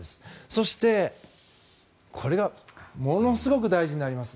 そして、これはものすごく大事になります。